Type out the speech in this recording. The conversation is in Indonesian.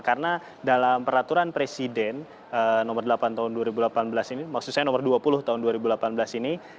karena dalam peraturan presiden nomor delapan tahun dua ribu delapan belas ini maksud saya nomor dua puluh tahun dua ribu delapan belas ini